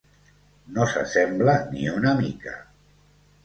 No s'assembla ni una mica.